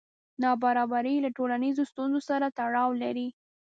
نابرابري له ټولنیزو ستونزو سره تړاو لري.